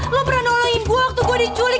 lo pernah nolongin gue waktu gue diculik